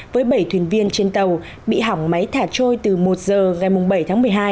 với bảy thuyền viên trên tàu bị hỏng máy thả trôi từ một giờ ngày bảy tháng một mươi hai